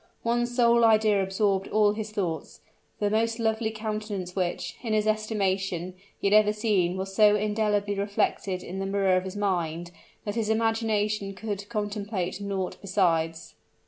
One sole idea absorbed all his thoughts: the most lovely countenance which, in his estimation, he had ever seen was so indelibly reflected in the mirror of his mind, that his imagination could contemplate naught besides.